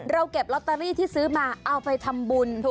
เก็บลอตเตอรี่ที่ซื้อมาเอาไปทำบุญ